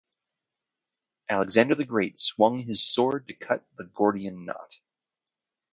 Alexander the Great swung his sword to cut the Gordian knot.